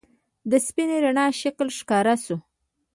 د سپینې رڼا شکل ښکاره شو.